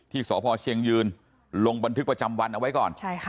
สพเชียงยืนลงบันทึกประจำวันเอาไว้ก่อน